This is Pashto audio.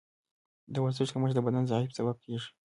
د ورزش کمښت د بدن ضعف سبب کېږي.